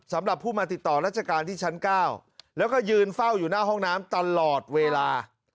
สำหรับผู้มาติดต่อราชการที่ชั้น๙แล้วก็ยืนเฝ้าอยู่หน้าห้องน้ำตลอดเวลา